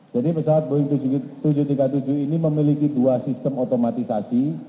jadi pesawat boeing tujuh ratus tiga puluh tujuh ini memiliki dua sistem otomatisasi